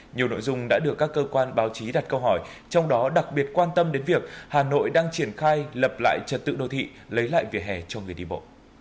nhiều nội dung đã được các cơ quan báo chí đặt câu hỏi trong đó đặc biệt quan tâm đến việc hà nội đang triển khai lập lại trật tự đô thị lấy lại vỉa hè cho người đi bộ